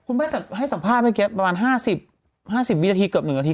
แพทย์ให้สัมภาษณ์เมื่อกี้ประมาณ๕๐๕๐วินาทีเกือบ๑นาที